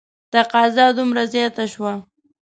تقاضا دومره زیاته شوه.